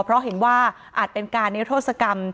เพราะเห็นว่าอาจเป็นการนิรโทษกรรม